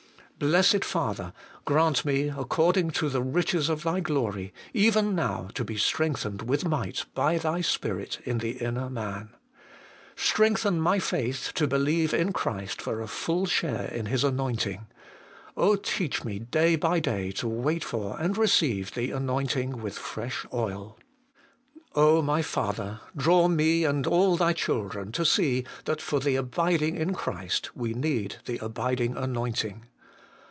Blessed Father ! grant me, according to the riches of Thy glory, even now to be strengthened with might by Thy Spirit in the inner man. Strengthen my faith to believe in Christ for a full share in His anointing. Oh, teach me day by day to wait for and receive the anointing with fresh oil! O my Father ! draw me and all Thy children to see that for the abiding in Christ we need the abiding anointing.